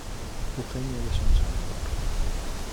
Jujeña de San Salvador.